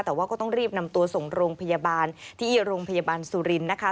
แต่ว่าก็ต้องรีบนำตัวส่งโรงพยาบาลที่โรงพยาบาลสุรินทร์นะคะ